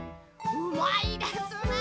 うまいですね。